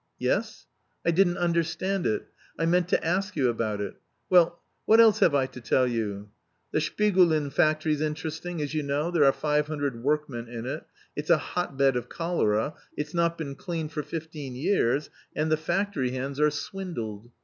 "Yes? I didn't understand it; I meant to ask you about it. Well what else have I to tell you? The Shpigulin factory's interesting; as you know, there are five hundred workmen in it, it's a hotbed of cholera, it's not been cleaned for fifteen years and the factory hands are swindled.